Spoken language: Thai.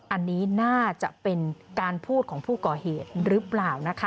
อันนี้น่าจะเป็นการพูดของผู้ก่อเหตุหรือเปล่านะคะ